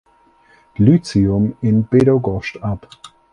Lyzeum in Bydgoszcz ab.